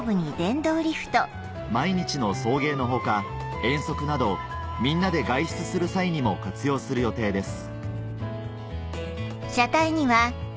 毎日の送迎の他遠足などみんなで外出する際にも活用する予定です